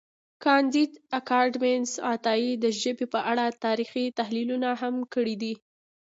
کانديد اکاډميسن عطایي د ژبې په اړه تاریخي تحلیلونه هم کړي دي.